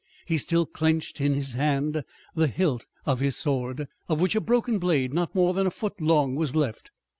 He still clenched in his hand the hilt of his sword, of which a broken blade not more than a foot long was left.